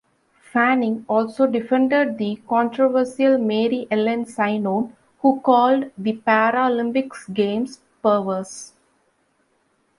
Fanning also defended the controversial Mary Ellen Synon, who called the Paralympics games 'perverse'.